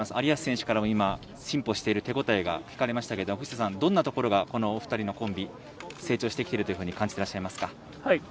有安選手からも今進歩している、手応えが聞かれましたがどんなところがこの２人のコンビで成長してきていると感じてらっしゃいますか？